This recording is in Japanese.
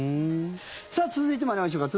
続いて参りましょうか。